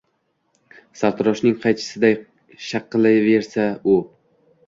Sartaroshning qaychisiday shaqqillayversa u.